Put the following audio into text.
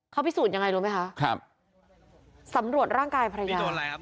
เขาพิสูจน์ยังไงรู้ไหมคะครับสำรวจร่างกายภรรยาครับ